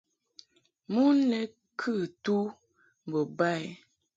Mon lɛ kɨ tu mbo ba i.